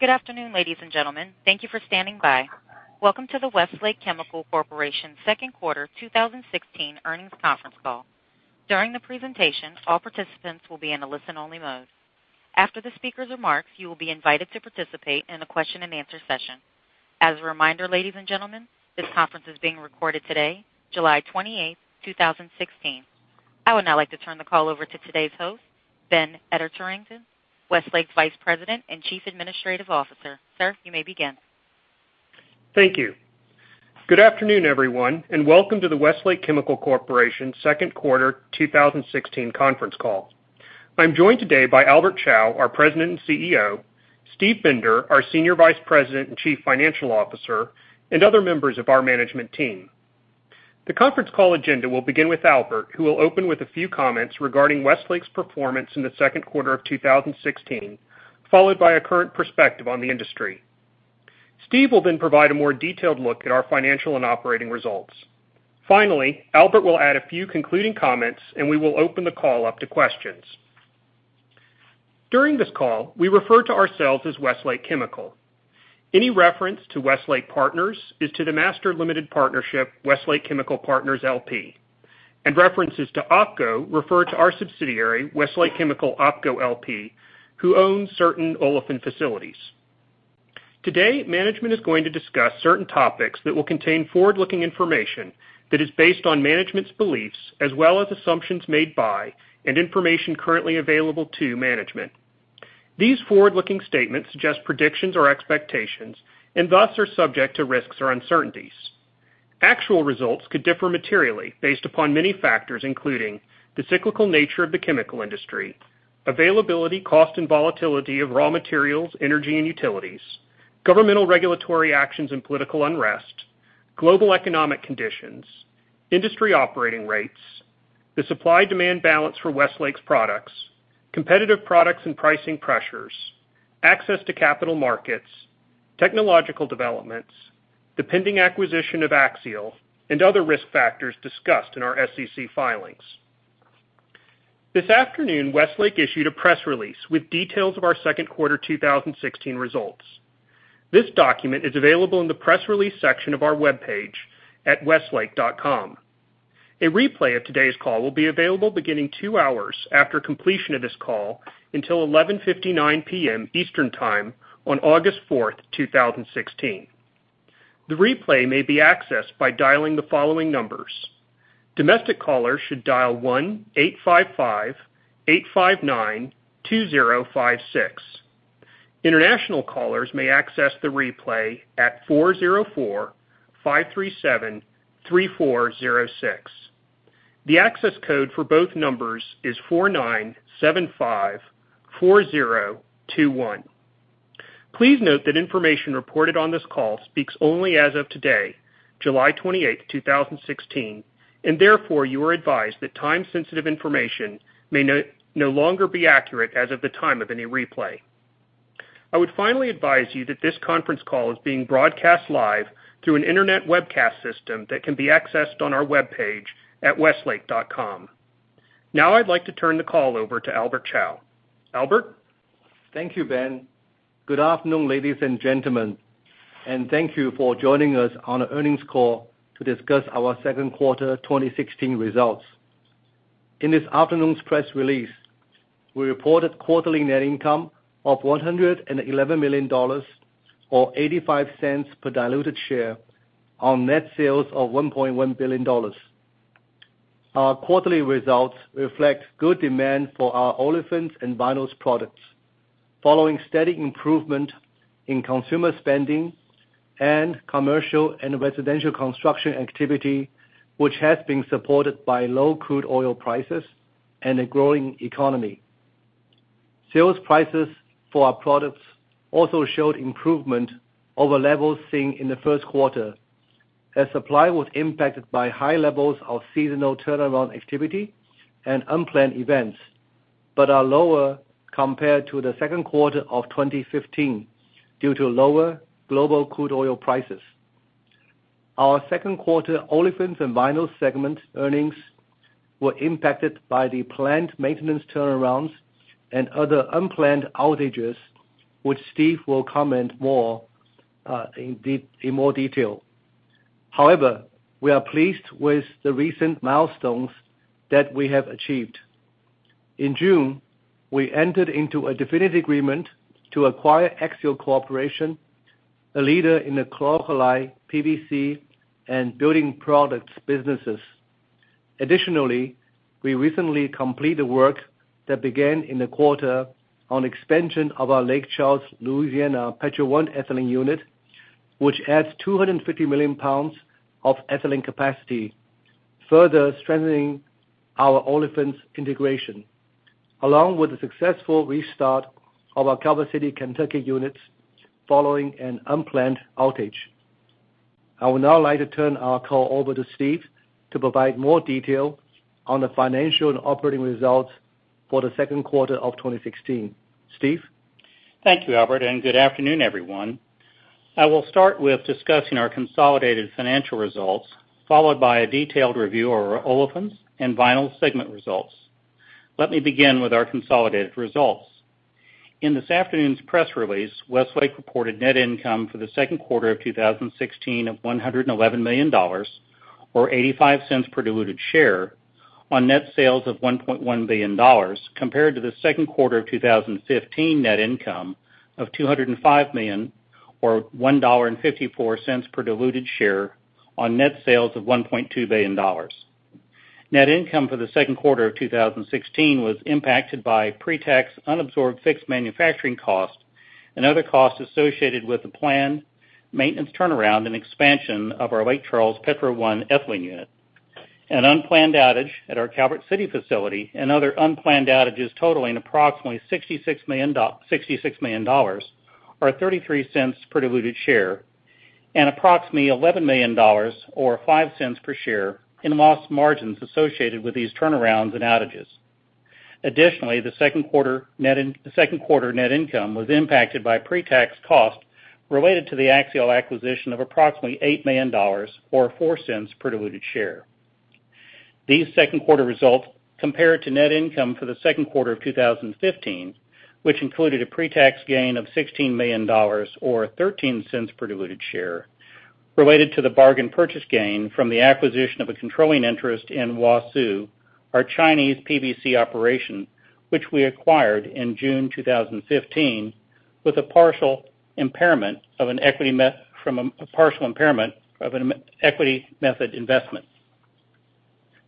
Good afternoon, ladies and gentlemen. Thank you for standing by. Welcome to the Westlake Chemical Corporation second quarter 2016 earnings conference call. During the presentation, all participants will be in a listen-only mode. After the speaker's remarks, you will be invited to participate in a question and answer session. As a reminder, ladies and gentlemen, this conference is being recorded today, July 28, 2016. I would now like to turn the call over to today's host, Ben Ederington, Westlake Vice President and Chief Administrative Officer. Sir, you may begin. Thank you. Good afternoon, everyone, and welcome to the Westlake Chemical Corporation second quarter 2016 conference call. I am joined today by Albert Chao, our President and CEO, Steve Bender, our Senior Vice President and Chief Financial Officer, and other members of our management team. The conference call agenda will begin with Albert, who will open with a few comments regarding Westlake's performance in the second quarter of 2016, followed by a current perspective on the industry. Steve will then provide a more detailed look at our financial and operating results. Finally, Albert will add a few concluding comments, and we will open the call up to questions. During this call, we refer to ourselves as Westlake Chemical. Any reference to Westlake Partners is to the master limited partnership, Westlake Chemical Partners LP, and references to OpCo refer to our subsidiary, Westlake Chemical OpCo LP, who owns certain olefin facilities. Today, management is going to discuss certain topics that will contain forward-looking information that is based on management's beliefs as well as assumptions made by and information currently available to management. These forward-looking statements suggest predictions or expectations and thus are subject to risks or uncertainties. Actual results could differ materially based upon many factors, including the cyclical nature of the chemical industry, availability, cost, and volatility of raw materials, energy, and utilities, governmental regulatory actions and political unrest, global economic conditions, industry operating rates, the supply-demand balance for Westlake's products, competitive products and pricing pressures, access to capital markets, technological developments, the pending acquisition of Axiall, and other risk factors discussed in our SEC filings. This afternoon, Westlake issued a press release with details of our second quarter 2016 results. This document is available in the press release section of our webpage at westlake.com. A replay of today's call will be available beginning two hours after completion of this call until 11:59 P.M. Eastern time on August fourth, 2016. The replay may be accessed by dialing the following numbers. Domestic callers should dial 1-855-859-2056. International callers may access the replay at 404-537-3406. The access code for both numbers is 49754021. Please note that information reported on this call speaks only as of today, July 28, 2016, and therefore you are advised that time-sensitive information may no longer be accurate as of the time of any replay. I would finally advise that this conference call is being broadcast live through an internet webcast system that can be accessed on our webpage at westlake.com. Now I'd like to turn the call over to Albert Chao. Albert? Thank you, Ben. Good afternoon, ladies and gentlemen, and thank you for joining us on the earnings call to discuss our second quarter 2016 results. In this afternoon's press release, we reported quarterly net income of $111 million, or $0.85 per diluted share on net sales of $1.1 billion. Our quarterly results reflect good demand for our olefins and vinyls products following steady improvement in consumer spending and commercial and residential construction activity, which has been supported by low crude oil prices and a growing economy. Sales prices for our products also showed improvement over levels seen in the first quarter as supply was impacted by high levels of seasonal turnaround activity and unplanned events, but are lower compared to the second quarter of 2015 due to lower global crude oil prices. Our second quarter olefins and vinyls segment earnings were impacted by the plant maintenance turnarounds and other unplanned outages, which Steve will comment in more detail. However, we are pleased with the recent milestones that we have achieved. In June, we entered into a definitive agreement to acquire Axiall Corporation, a leader in the chlor-alkali, PVC, and building products businesses. Additionally, we recently completed work that began in the quarter on expansion of our Lake Charles, Louisiana Petro 1 ethylene unit, which adds 250 million pounds of ethylene capacity, further strengthening our olefins integration, along with the successful restart of our Calvert City, Kentucky units following an unplanned outage. I would now like to turn our call over to Steve to provide more detail on the financial and operating results for the second quarter of 2016. Steve? Thank you, Albert, and good afternoon, everyone. I will start with discussing our consolidated financial results, followed by a detailed review of our olefins and vinyls segment results. Let me begin with our consolidated results. In this afternoon's press release, Westlake reported net income for the second quarter of 2016 of $111 million, or $0.85 per diluted share on net sales of $1.1 billion, compared to the second quarter of 2015 net income of $205 million, or $1.54 per diluted share on net sales of $1.2 billion. Net income for the second quarter of 2016 was impacted by pre-tax, unabsorbed fixed manufacturing cost and other costs associated with the planned maintenance turnaround and expansion of our Lake Charles Petro 1 ethylene unit, an unplanned outage at our Calvert City facility, and other unplanned outages totaling approximately $66 million, or $0.33 per diluted share, and approximately $11 million, or $0.05 per share in lost margins associated with these turnarounds and outages. Additionally, the second quarter net income was impacted by pre-tax cost related to the Axiall acquisition of approximately $8 million, or $0.04 per diluted share. These second quarter results compare to net income for the second quarter of 2015, which included a pre-tax gain of $16 million, or $0.13 per diluted share, related to the bargain purchase gain from the acquisition of a controlling interest in Huasu, our Chinese PVC operation, which we acquired in June 2015, from a partial impairment of an equity method investment.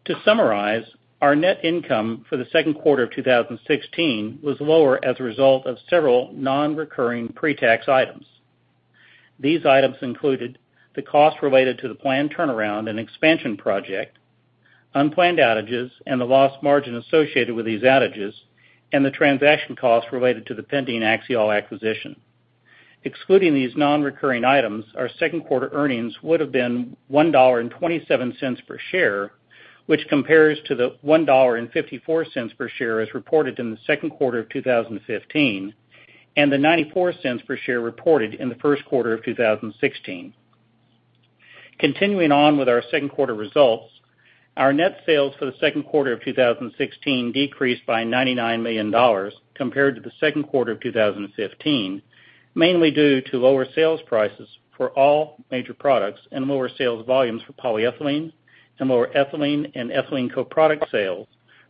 To summarize, our net income for the second quarter of 2016 was lower as a result of several non-recurring pre-tax items. These items included the cost related to the planned turnaround and expansion project, unplanned outages, and the lost margin associated with these outages, and the transaction costs related to the pending Axiall acquisition. Excluding these non-recurring items, our second quarter earnings would have been $1.27 per share, which compares to the $1.54 per share as reported in the second quarter of 2015, and the $0.94 per share reported in the first quarter of 2016. Continuing on with our second quarter results, our net sales for the second quarter of 2016 decreased by $99 million compared to the second quarter of 2015, mainly due to lower sales prices for all major products and lower sales volumes for polyethylene and lower ethylene and ethylene co-product sales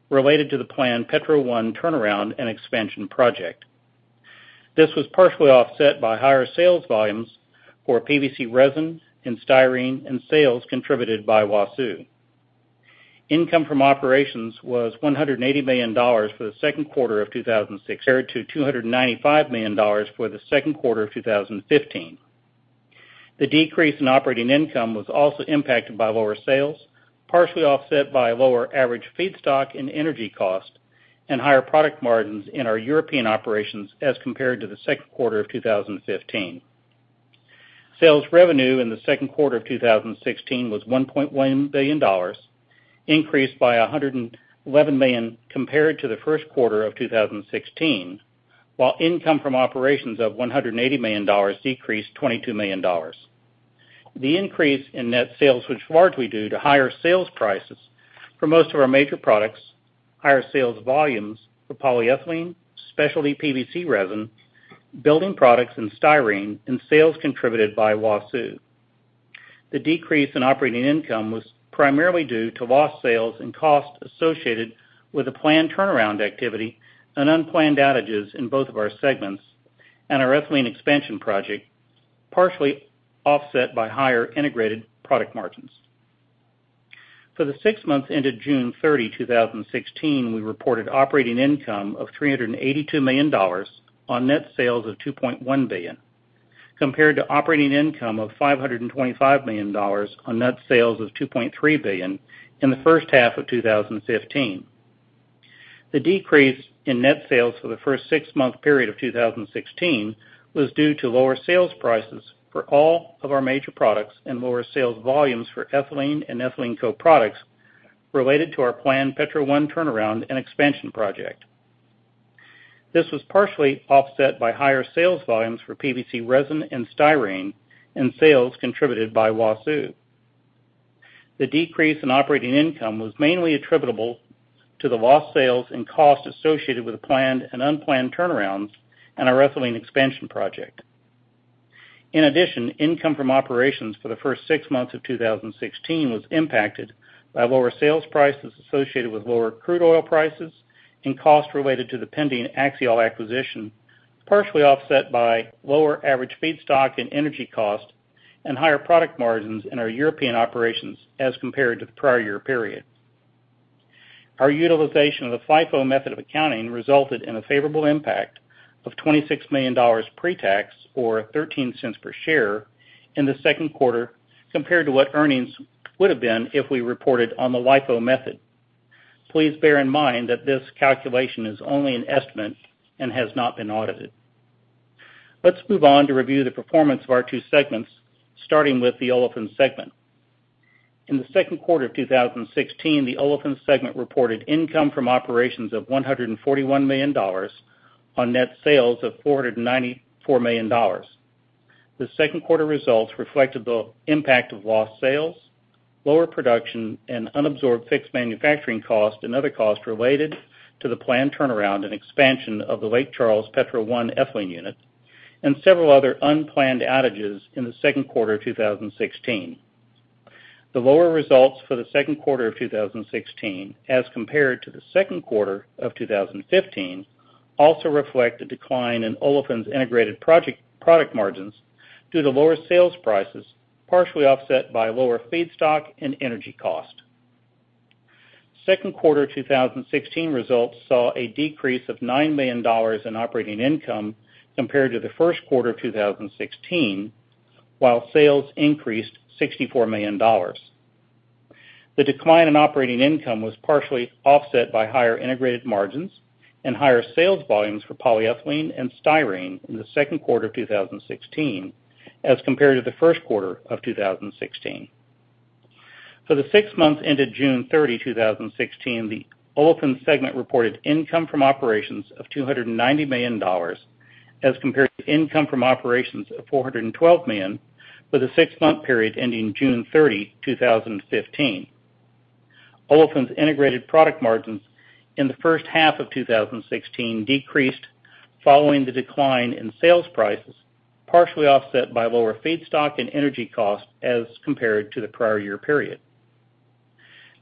related to the planned Petro 1 turnaround and expansion project. This was partially offset by higher sales volumes for PVC resin and styrene, and sales contributed by Huasu. Income from operations was $180 million for the second quarter of 2016, compared to $295 million for the second quarter of 2015. The decrease in operating income was also impacted by lower sales, partially offset by lower average feedstock and energy cost, and higher product margins in our European operations as compared to the second quarter of 2015. Sales revenue in the second quarter of 2016 was $1.1 billion, increased by $111 million compared to the first quarter of 2016, while income from operations of $180 million decreased $22 million. The increase in net sales was largely due to higher sales prices for most of our major products, higher sales volumes for polyethylene, specialty PVC resin, building products, and styrene, and sales contributed by Huasu. The decrease in operating income was primarily due to lost sales and cost associated with the planned turnaround activity and unplanned outages in both of our segments and our ethylene expansion project, partially offset by higher integrated product margins. For the six months ended June 30, 2016, we reported operating income of $382 million on net sales of $2.1 billion, compared to operating income of $525 million on net sales of $2.3 billion in the first half of 2015. The decrease in net sales for the first six-month period of 2016 was due to lower sales prices for all of our major products and lower sales volumes for ethylene and ethylene co-products related to our planned Petro 1 turnaround and expansion project. This was partially offset by higher sales volumes for PVC resin and styrene, and sales contributed by Huasu. The decrease in operating income was mainly attributable to the lost sales and cost associated with the planned and unplanned turnarounds and our ethylene expansion project. In addition, income from operations for the first six months of 2016 was impacted by lower sales prices associated with lower crude oil prices and costs related to the pending Axiall acquisition, partially offset by lower average feedstock and energy costs, and higher product margins in our European operations as compared to the prior year period. Our utilization of the FIFO method of accounting resulted in a favorable impact of $26 million pre-tax, or $0.13 per share in the second quarter, compared to what earnings would've been if we reported on the LIFO method. Please bear in mind that this calculation is only an estimate and has not been audited. Let's move on to review the performance of our two segments, starting with the Olefins segment. In the second quarter of 2016, the Olefins segment reported income from operations of $141 million on net sales of $494 million. The second quarter results reflected the impact of lost sales, lower production, and unabsorbed fixed manufacturing costs and other costs related to the planned turnaround and expansion of the Lake Charles Petro 1 ethylene unit, and several other unplanned outages in the second quarter of 2016. The lower results for the second quarter of 2016 as compared to the second quarter of 2015, also reflect a decline in Olefins integrated product margins due to lower sales prices, partially offset by lower feedstock and energy costs. Second quarter 2016 results saw a decrease of $9 million in operating income compared to the first quarter of 2016, while sales increased $64 million. The decline in operating income was partially offset by higher integrated margins and higher sales volumes for polyethylene and styrene in the second quarter of 2016 as compared to the first quarter of 2016. For the six months ended June 30, 2016, the Olefins segment reported income from operations of $290 million as compared to income from operations of $412 million for the six-month period ending June 30, 2015. Olefins integrated product margins in the first half of 2016 decreased following the decline in sales prices, partially offset by lower feedstock and energy costs as compared to the prior year period.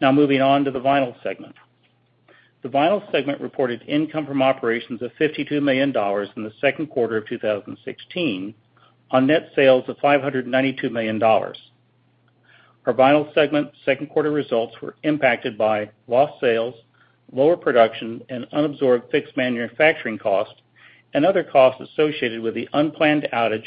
Now, moving on to the Vinyls segment. The Vinyls segment reported income from operations of $52 million in the second quarter of 2016 on net sales of $592 million. Our Vinyls segment second quarter results were impacted by lost sales, lower production, and unabsorbed fixed manufacturing costs, and other costs associated with the unplanned outage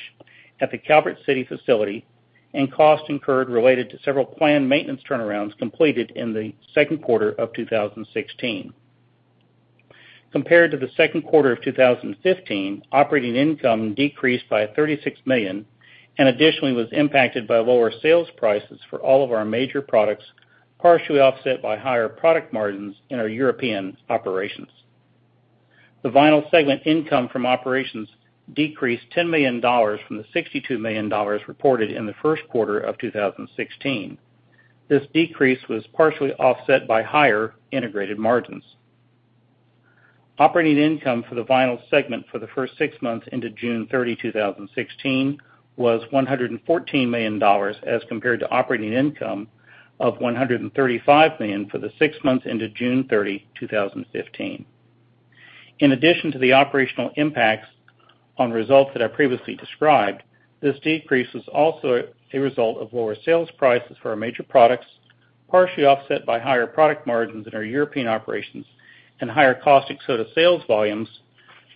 at the Calvert City facility, and costs incurred related to several planned maintenance turnarounds completed in the second quarter of 2016. Compared to the second quarter of 2015, operating income decreased by $36 million and additionally was impacted by lower sales prices for all of our major products, partially offset by higher product margins in our European operations. The Vinyls segment income from operations decreased $10 million from the $62 million reported in the first quarter of 2016. This decrease was partially offset by higher integrated margins. Operating income for the Vinyls segment for the first six months ended June 30, 2016, was $114 million as compared to operating income of $135 million for the six months ended June 30, 2015. In addition to the operational impacts on results that I previously described, this decrease was also a result of lower sales prices for our major products, partially offset by higher product margins in our European operations and higher cost of sales volumes,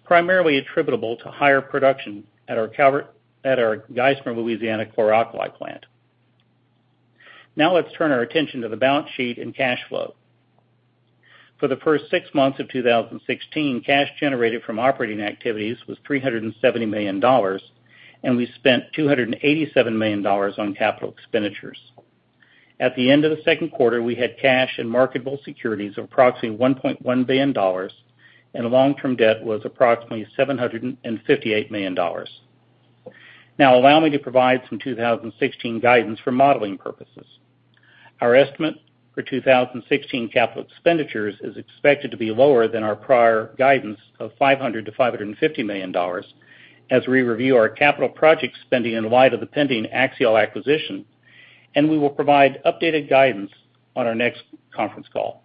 primarily attributable to higher production at our Geismar, Louisiana, chlor-alkali plant. Now let's turn our attention to the balance sheet and cash flow. For the first six months of 2016, cash generated from operating activities was $370 million, and we spent $287 million on capital expenditures. At the end of the second quarter, we had cash and marketable securities of approximately $1.1 billion, and long-term debt was approximately $758 million. Now, allow me to provide some 2016 guidance for modeling purposes. Our estimate for 2016 capital expenditures is expected to be lower than our prior guidance of $500 million-$550 million as we review our capital project spending in light of the pending Axiall acquisition, and we will provide updated guidance on our next conference call.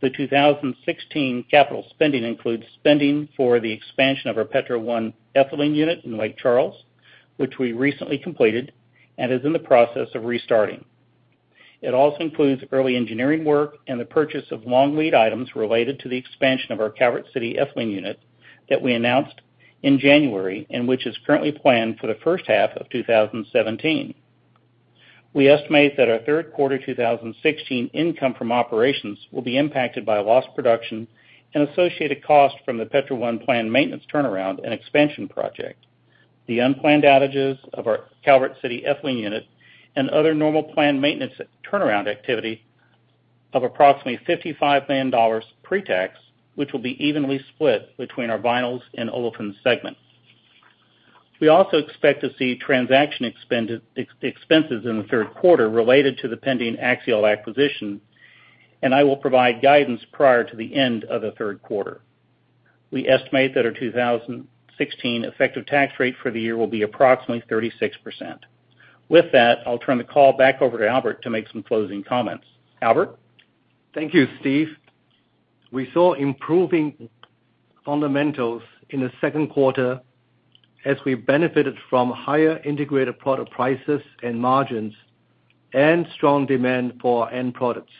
The 2016 capital spending includes spending for the expansion of our Petro 1 ethylene unit in Lake Charles, which we recently completed and is in the process of restarting. It also includes early engineering work and the purchase of long lead items related to the expansion of our Calvert City ethylene unit that we announced in January, and which is currently planned for the first half of 2017. We estimate that our third quarter 2016 income from operations will be impacted by lost production and associated cost from the Petro 1 planned maintenance turnaround and expansion project. The unplanned outages of our Calvert City ethylene unit and other normal planned maintenance turnaround activity of approximately $55 million pre-tax, which will be evenly split between our Vinyls and Olefins segments. We also expect to see transaction expenses in the third quarter related to the pending Axiall acquisition, and I will provide guidance prior to the end of the third quarter. We estimate that our 2016 effective tax rate for the year will be approximately 36%. With that, I'll turn the call back over to Albert to make some closing comments. Albert? Thank you, Steve. We saw improving fundamentals in the second quarter as we benefited from higher integrated product prices and margins and strong demand for our end products.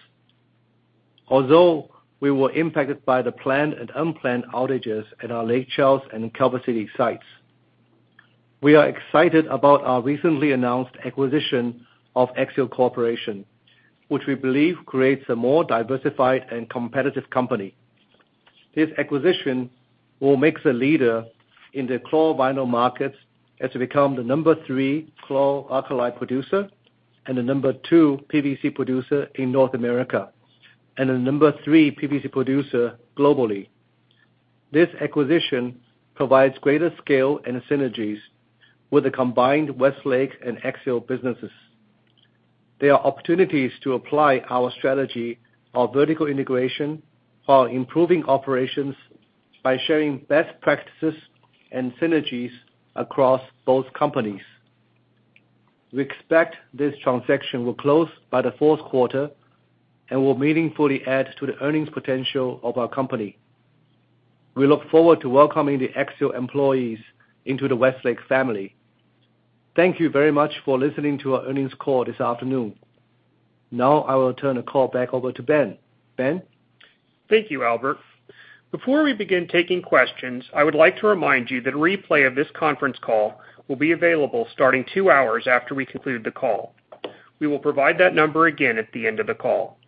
Although we were impacted by the planned and unplanned outages at our Lake Charles and Calvert City sites. We are excited about our recently announced acquisition of Axiall Corporation, which we believe creates a more diversified and competitive company. This acquisition will make the leader in the chlor-vinyl markets as we become the number three chlor-alkali producer and the number two PVC producer in North America, and the number three PVC producer globally. This acquisition provides greater scale and synergies with the combined Westlake and Axiall businesses. There are opportunities to apply our strategy of vertical integration while improving operations by sharing best practices and synergies across both companies. We expect this transaction will close by the fourth quarter and will meaningfully add to the earnings potential of our company. We look forward to welcoming the Axiall employees into the Westlake family. Thank you very much for listening to our earnings call this afternoon. I will turn the call back over to Ben. Ben? Thank you, Albert. Before we begin taking questions, I would like to remind you that a replay of this conference call will be available starting two hours after we conclude the call. We will provide that number again at the end of the call.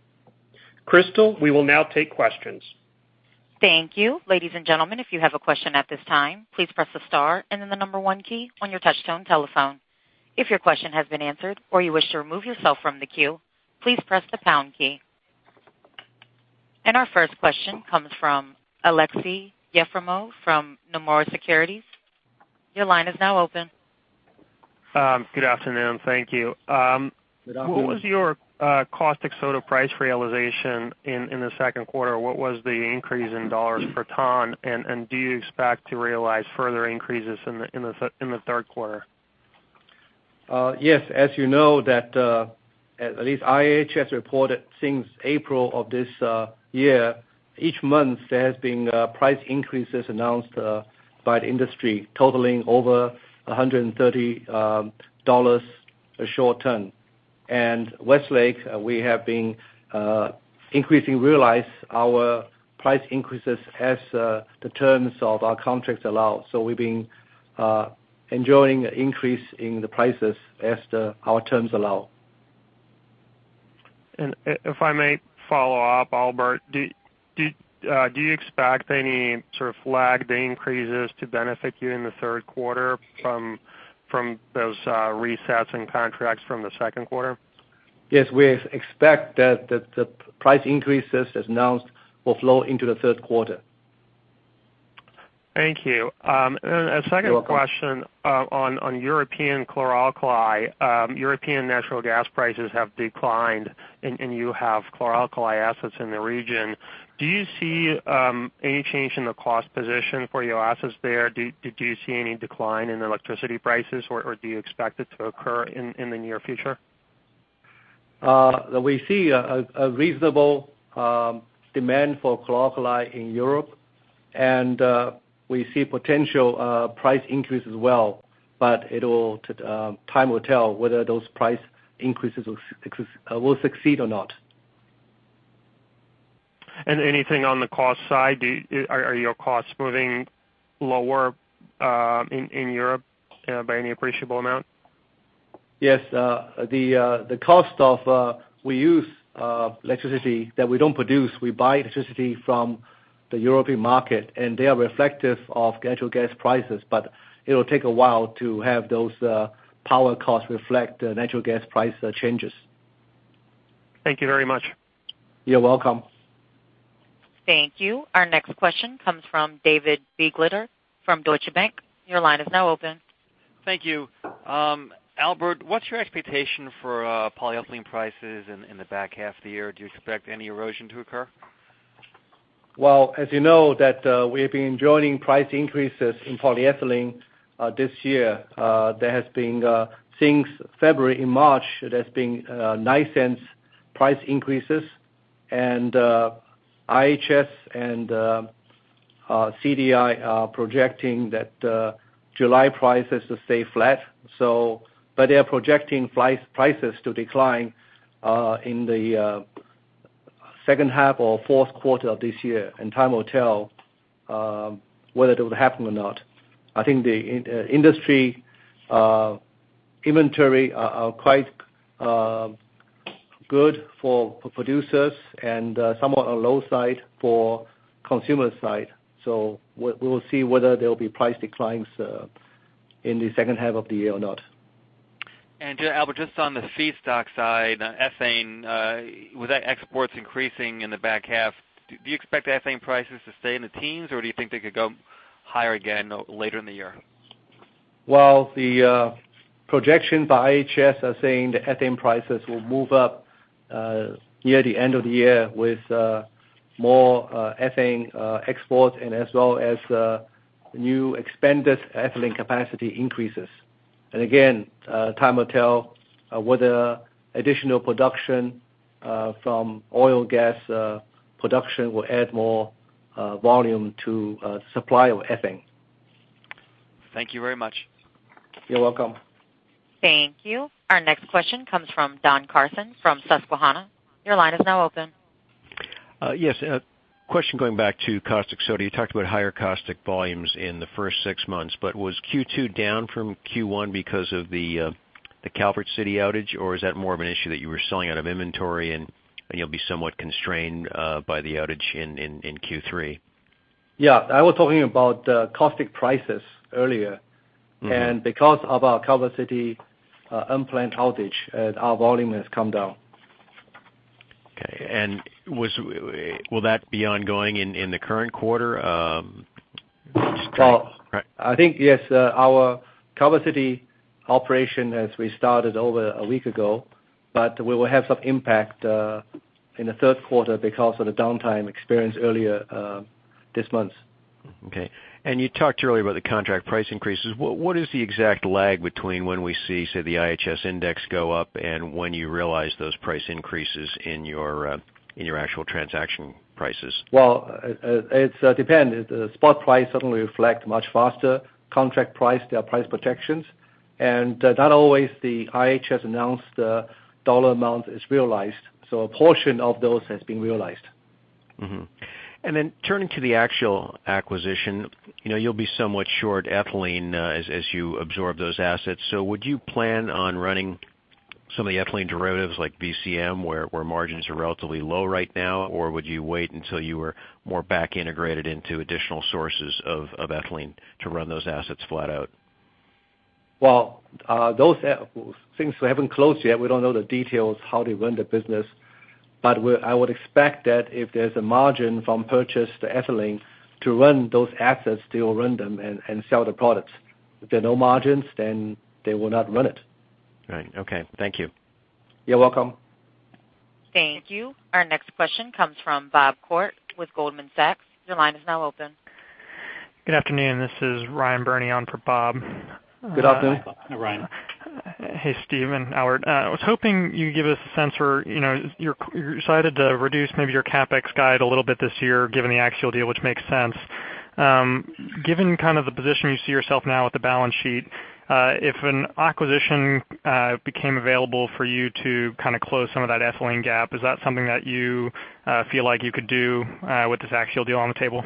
Crystal, we will take questions. Thank you. Ladies and gentlemen, if you have a question at this time, please press the star and then the number one key on your touch-tone telephone. If your question has been answered or you wish to remove yourself from the queue, please press the pound key. Our first question comes from Aleksey Yefremov from Nomura Securities. Your line is now open. Good afternoon. Thank you. Good afternoon. What was your caustic soda price realization in the second quarter? What was the increase in $ per ton? Do you expect to realize further increases in the third quarter? Yes. As you know, at least IHS reported since April of this year, each month there has been price increases announced by the industry totaling over $130 a short ton. Westlake, we have been increasing realize our price increases as the terms of our contracts allow. We've been enjoying an increase in the prices as our terms allow. If I may follow up, Albert, do you expect any sort of lagged increases to benefit you in the third quarter from those resets and contracts from the second quarter? Yes, we expect that the price increases as announced will flow into the third quarter. Thank you. You're welcome. A second question on European chlor-alkali. European natural gas prices have declined, and you have chlor-alkali assets in the region. Do you see any change in the cost position for your assets there? Do you see any decline in electricity prices, or do you expect it to occur in the near future? We see a reasonable demand for chlor-alkali in Europe, we see potential price increase as well. Time will tell whether those price increases will succeed or not. Anything on the cost side? Are your costs moving lower in Europe by any appreciable amount? Yes. We use electricity that we don't produce. We buy electricity from the European market, they are reflective of natural gas prices. It will take a while to have those power costs reflect natural gas price changes. Thank you very much. You're welcome. Thank you. Our next question comes from David Begleiter from Deutsche Bank. Your line is now open. Thank you. Albert, what's your expectation for polyethylene prices in the back half of the year? Do you expect any erosion to occur? As you know that we've been joining price increases in polyethylene this year. Since February and March, there has been $0.09 price increases. IHS and CDI are projecting that July prices to stay flat. They are projecting prices to decline in the second half or fourth quarter of this year. Time will tell whether it will happen or not. I think the industry inventory are quite good for producers and somewhat on low side for consumer side. We will see whether there will be price declines in the second half of the year or not. Albert, just on the feedstock side, ethane, with exports increasing in the back half, do you expect ethane prices to stay in the teens, or do you think they could go higher again later in the year? Well, the projection by IHS are saying the ethane prices will move up near the end of the year with more ethane exports as well as new expanded ethylene capacity increases. Again, time will tell whether additional production from oil gas production will add more volume to supply of ethane. Thank you very much. You're welcome. Thank you. Our next question comes from Don Carson from Susquehanna. Your line is now open. Yes. A question going back to caustic soda. You talked about higher caustic volumes in the first six months, was Q2 down from Q1 because of the Calvert City outage, or is that more of an issue that you were selling out of inventory and you'll be somewhat constrained by the outage in Q3? Yeah. I was talking about caustic prices earlier. Because of our Calvert City plant outage our volume has come down. Okay. Will that be ongoing in the current quarter? Well, I think yes. Our Calvert City operation, as we started over a week ago, but we will have some impact in the third quarter because of the downtime experienced earlier this month. Okay. You talked earlier about the contract price increases. What is the exact lag between when we see, say, the IHS index go up and when you realize those price increases in your actual transaction prices? Well, it depends. Spot price certainly reflect much faster. Contract price. There are price protections. Not always the IHS announced dollar amount is realized. A portion of those has been realized. Mm-hmm. Turning to the Axiall acquisition, you'll be somewhat short ethylene as you absorb those assets. Would you plan on running some of the ethylene derivatives like VCM, where margins are relatively low right now, or would you wait until you were more back integrated into additional sources of ethylene to run those assets flat out? Well, those things we haven't closed yet. We don't know the details how to run the business. I would expect that if there's a margin from purchase to ethylene to run those assets, they will run them and sell the products. If there are no margins, they will not run it. Right. Okay. Thank you. You're welcome. Thank you. Our next question comes from Bob Koort with Goldman Sachs. Your line is now open. Good afternoon. This is Ryan Berney on for Bob. Good afternoon. Hi, Ryan. Hey, Steve and Albert. I was hoping you could give us a sense for, you decided to reduce maybe your CapEx guide a little bit this year, given the Axiall deal, which makes sense. Given kind of the position you see yourself now with the balance sheet, if an acquisition became available for you to close some of that ethylene gap, is that something that you feel like you could do with this Axiall deal on the table?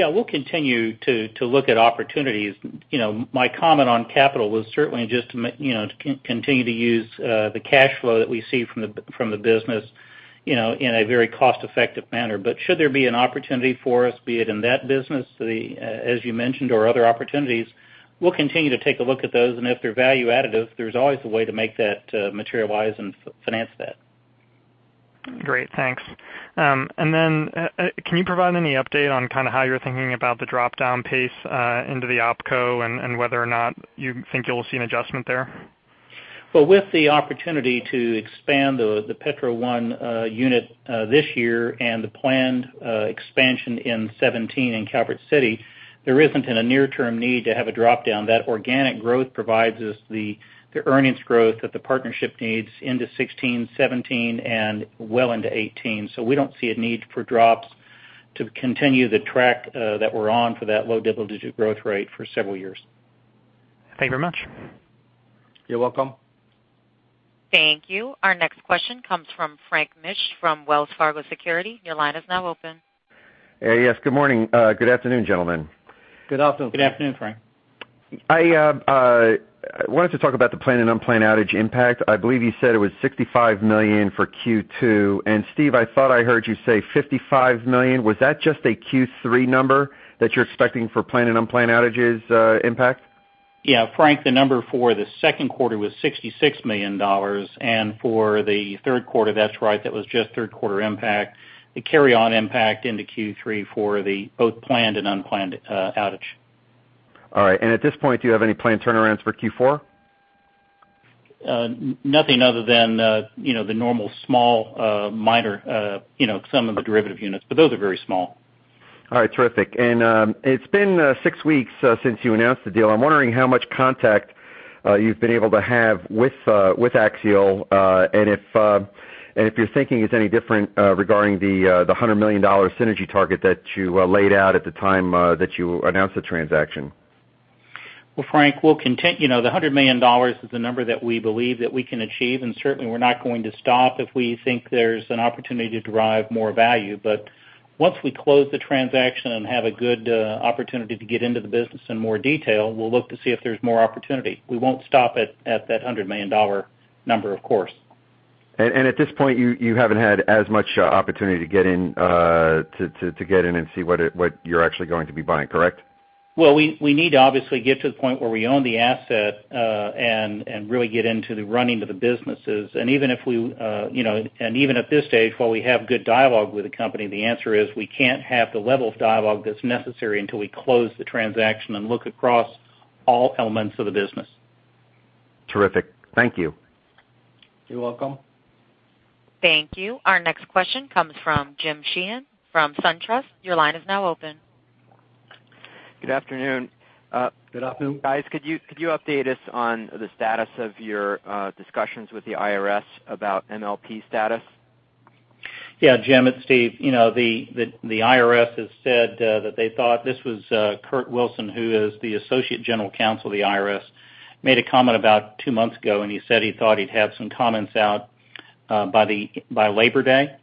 Yeah, we'll continue to look at opportunities. My comment on capital was certainly just to continue to use the cash flow that we see from the business, in a very cost-effective manner. Should there be an opportunity for us, be it in that business, as you mentioned, or other opportunities, we'll continue to take a look at those. If they're value additive, there's always a way to make that materialize and finance that. Great. Thanks. Then, can you provide any update on how you're thinking about the drop-down pace into the OpCo and whether or not you think you'll see an adjustment there? Well, with the opportunity to expand the Petro 1 unit this year and the planned expansion in 2017 in Calvert City, there isn't a near-term need to have a drop-down. That organic growth provides us the earnings growth that the partnership needs into 2016, 2017, and well into 2018. We don't see a need for drops to continue the track that we're on for that low double-digit growth rate for several years. Thank you very much. You're welcome. Thank you. Our next question comes from Frank Mitsch from Wells Fargo Securities. Your line is now open. Hey. Yes. Good morning. Good afternoon, gentlemen. Good afternoon. Good afternoon, Frank. I wanted to talk about the planned and unplanned outage impact. I believe you said it was $65 million for Q2. Steve, I thought I heard you say $55 million. Was that just a Q3 number that you're expecting for planned and unplanned outages impact? Yeah, Frank, the number for the second quarter was $66 million. For the third quarter, that's right, that was just third quarter impact. The carry-on impact into Q3 for the both planned and unplanned outage. All right. At this point, do you have any planned turnarounds for Q4? Nothing other than the normal small, minor, some of the derivative units. Those are very small. All right. Terrific. It's been six weeks since you announced the deal. I'm wondering how much contact you've been able to have with Axiall, and if your thinking is any different regarding the $100 million synergy target that you laid out at the time that you announced the transaction. Well, Frank, the $100 million is the number that we believe that we can achieve, and certainly we're not going to stop if we think there's an opportunity to derive more value. Once we close the transaction and have a good opportunity to get into the business in more detail, we'll look to see if there's more opportunity. We won't stop at that $100 million number, of course. At this point, you haven't had as much opportunity to get in and see what you're actually going to be buying, correct? Well, we need to obviously get to the point where we own the asset and really get into the running of the businesses. Even at this stage, while we have good dialogue with the company, the answer is we can't have the level of dialogue that's necessary until we close the transaction and look across all elements of the business. Terrific. Thank you. You're welcome. Thank you. Our next question comes from Jim Sheehan from SunTrust. Your line is now open. Good afternoon. Good afternoon. Guys, could you update us on the status of your discussions with the IRS about MLP status? Yeah, Jim Sheehan, it's Steve Bender. The IRS has said that they thought this was Curtis Wilson, who is the Associate General Counsel of the IRS, made a comment about two months ago, and he said he thought he'd have some comments out by Labor Day.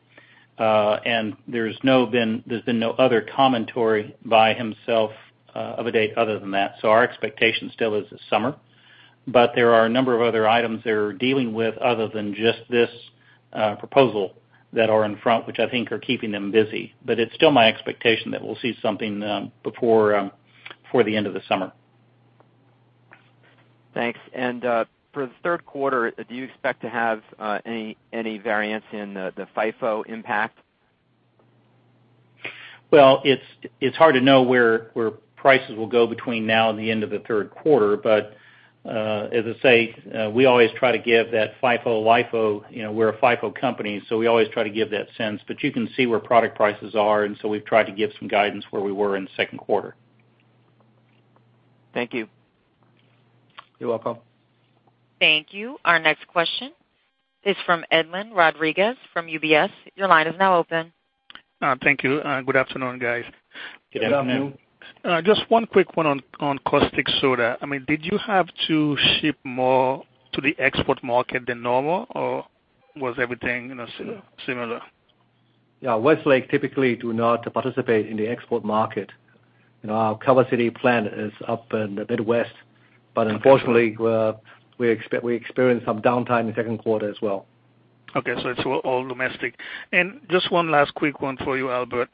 There's been no other commentary by himself of a date other than that. Our expectation still is this summer. There are a number of other items they're dealing with other than just this proposal that are in front, which I think are keeping them busy. It's still my expectation that we'll see something before the end of the summer. Thanks. For the third quarter, do you expect to have any variance in the FIFO impact? Well, it's hard to know where prices will go between now and the end of the third quarter. As I say, we always try to give that FIFO, LIFO. We're a FIFO company, so we always try to give that sense. You can see where product prices are, and so we've tried to give some guidance where we were in the second quarter. Thank you. You're welcome. Thank you. Our next question is from Edlain Rodriguez from UBS. Your line is now open. Thank you. Good afternoon, guys. Good afternoon. Good afternoon. Just one quick one on caustic soda. Did you have to ship more to the export market than normal, or was everything similar? Yeah. Westlake typically do not participate in the export market. Our Calvert City plant is up in the Midwest, but unfortunately, we experienced some downtime in the second quarter as well. Okay. It's all domestic. Just one last quick one for you, Albert.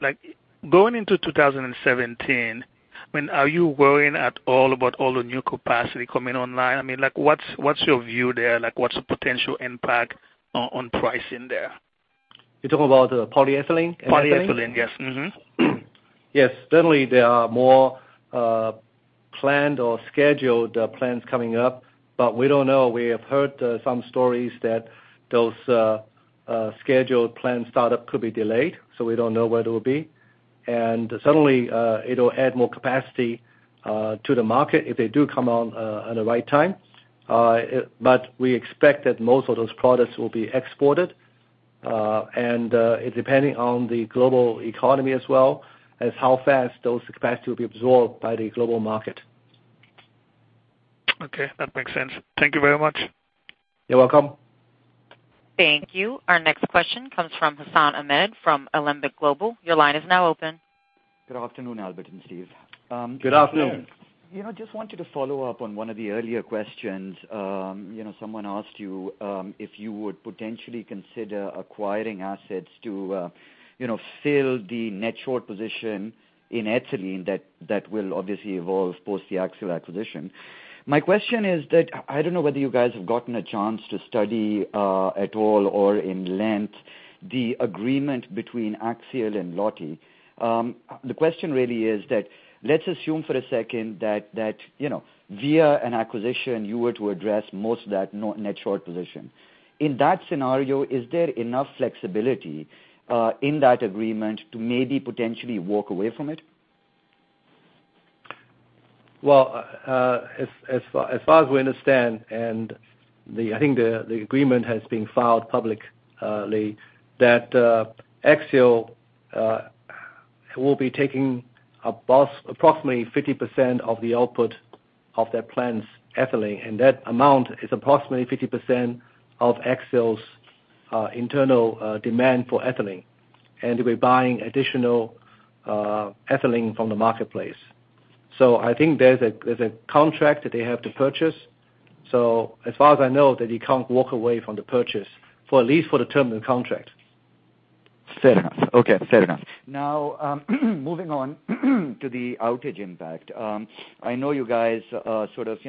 Going into 2017, are you worrying at all about all the new capacity coming online? What's your view there? What's the potential impact on pricing there? You're talking about the polyethylene? Polyethylene. Yes. Yes. Certainly, there are more planned or scheduled plants coming up, but we don't know. We have heard some stories that those scheduled plant startup could be delayed, so we don't know where they will be. Certainly, it'll add more capacity to the market if they do come on at the right time. We expect that most of those products will be exported. Depending on the global economy as well, is how fast those capacity will be absorbed by the global market. Okay. That makes sense. Thank you very much. You're welcome. Thank you. Our next question comes from Hassan Ahmed from Alembic Global. Your line is now open. Good afternoon, Albert and Steve. Good afternoon. Good afternoon. Just wanted to follow up on one of the earlier questions. Someone asked you if you would potentially consider acquiring assets to fill the net short position in ethylene that will obviously evolve post the Axiall acquisition. My question is that I don't know whether you guys have gotten a chance to study at all or in length the agreement between Axiall and Lotte. The question really is that let's assume for a second that via an acquisition, you were to address most of that net short position. In that scenario, is there enough flexibility in that agreement to maybe potentially walk away from it? As far as we understand, and I think the agreement has been filed publicly, that Axiall will be taking approximately 50% of the output of that plant's ethylene, and that amount is approximately 50% of Axiall's internal demand for ethylene. They'll be buying additional ethylene from the marketplace. I think there's a contract that they have to purchase. As far as I know, they can't walk away from the purchase at least for the term of the contract. Fair enough. Okay. Fair enough. Moving on to the outage impact. I know you guys sort of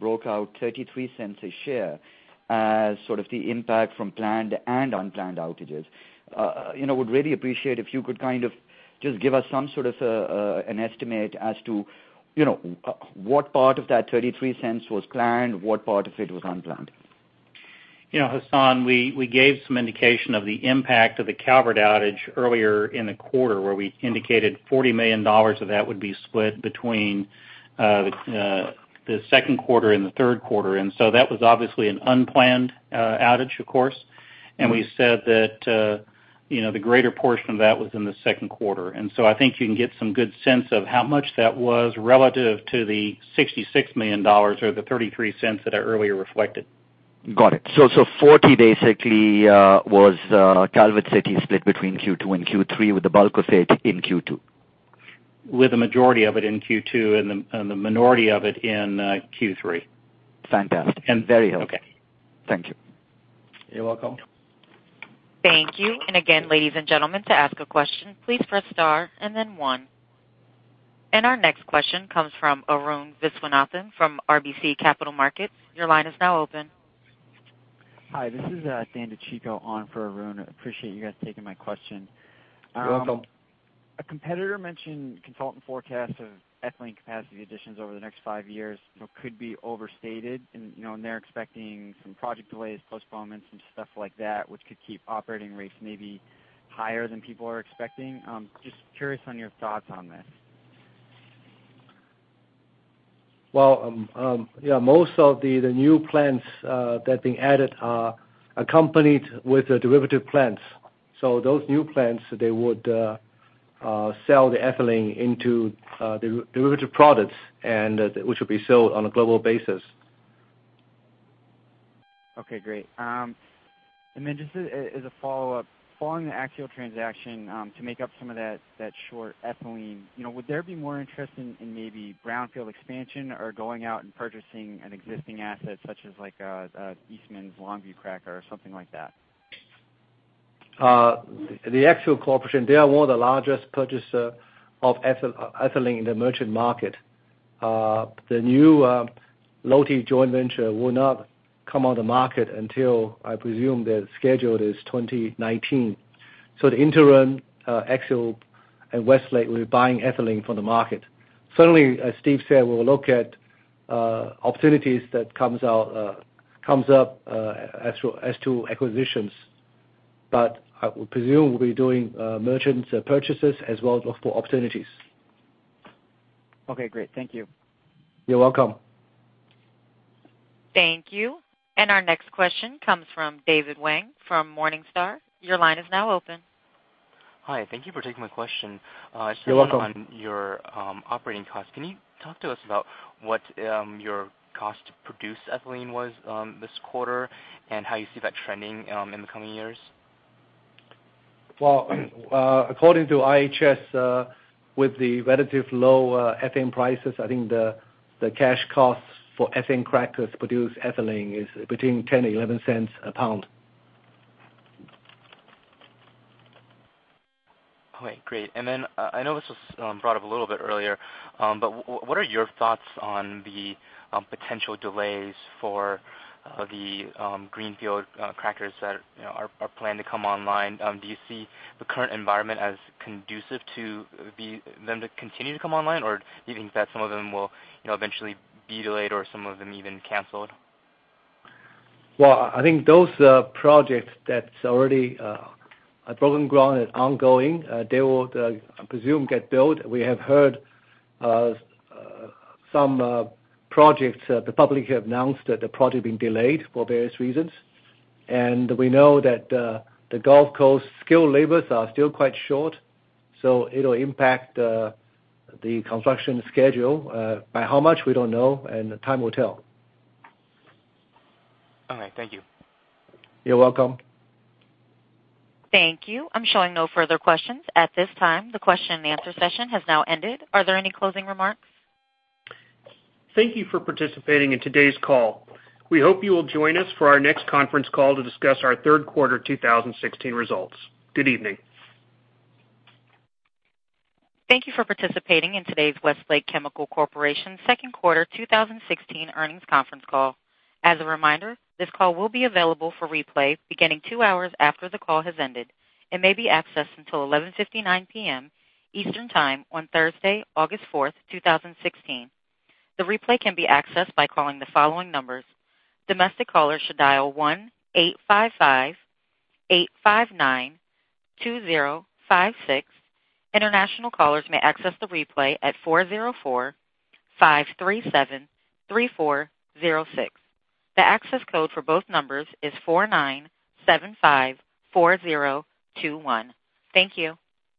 broke out $0.33 a share as sort of the impact from planned and unplanned outages. Would really appreciate if you could kind of just give us some sort of an estimate as to what part of that $0.33 was planned, what part of it was unplanned. Hassan, we gave some indication of the impact of the Calvert outage earlier in the quarter, where we indicated $40 million of that would be split between the second quarter and the third quarter. That was obviously an unplanned outage, of course. We said that the greater portion of that was in the second quarter. I think you can get some good sense of how much that was relative to the $66 million or the $0.33 that I earlier reflected. Got it. $40 basically was Calvert City split between Q2 and Q3 with the bulk of it in Q2. With a majority of it in Q2 and the minority of it in Q3. Fantastic. Very helpful. Okay. Thank you. You're welcome. Thank you. Again, ladies and gentlemen, to ask a question, please press star and then one. Our next question comes from Arun Viswanathan from RBC Capital Markets. Your line is now open. Hi. This is Dan DeCicco on for Arun. Appreciate you guys taking my question. You're welcome. A competitor mentioned consultant forecasts of ethylene capacity additions over the next five years could be overstated. They're expecting some project delays, postponements, and stuff like that, which could keep operating rates maybe higher than people are expecting. Just curious on your thoughts on this. Most of the new plants that are being added are accompanied with derivative plants. Those new plants, they would sell the ethylene into derivative products which will be sold on a global basis. Great. Just as a follow-up, following the Axiall transaction, to make up some of that short ethylene, would there be more interest in maybe brownfield expansion or going out and purchasing an existing asset such as Eastman's Longview cracker or something like that? The Axiall Corporation, they are one of the largest purchaser of ethylene in the merchant market. The new Lotte joint venture will not come on the market until, I presume, their schedule is 2019. The interim Axiall and Westlake will be buying ethylene from the market. Certainly, as Steve said, we will look at opportunities that comes up as to acquisitions. I would presume we'll be doing merchant purchases as well as look for opportunities. Okay, great. Thank you. You're welcome. Thank you. Our next question comes from David Wang from Morningstar. Your line is now open. Hi. Thank you for taking my question. You're welcome. Just a follow on your operating cost. Can you talk to us about what your cost to produce ethylene was this quarter and how you see that trending in the coming years? Well, according to IHS, with the relative low ethane prices, I think the cash cost for ethane crackers to produce ethylene is between $0.10 a pound-$0.11 a pound. Okay, great. I know this was brought up a little bit earlier, what are your thoughts on the potential delays for the greenfield crackers that are planned to come online? Do you see the current environment as conducive to them to continue to come online? Do you think that some of them will eventually be delayed or some of them even canceled? Well, I think those projects that's already broken ground and ongoing, they will, I presume, get built. We have heard some projects, the public have announced that the project been delayed for various reasons. We know that the Gulf Coast skilled labors are still quite short, it'll impact the construction schedule. By how much, we don't know, time will tell. All right. Thank you. You're welcome. Thank you. I'm showing no further questions at this time. The question and answer session has now ended. Are there any closing remarks? Thank you for participating in today's call. We hope you will join us for our next conference call to discuss our third quarter 2016 results. Good evening. Thank you for participating in today's Westlake Chemical Corporation second quarter 2016 earnings conference call. As a reminder, this call will be available for replay beginning two hours after the call has ended and may be accessed until 11:59 P.M. Eastern Time on Thursday, August 4, 2016. The replay can be accessed by calling the following numbers. Domestic callers should dial 1-855-859-2056. International callers may access the replay at 404-537-3406. The access code for both numbers is 49754021. Thank you.